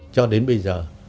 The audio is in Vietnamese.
cho đến bây giờ